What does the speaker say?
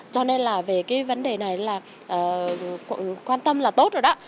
cho nên là về cái vấn đề này là quan tâm là tốt rồi đó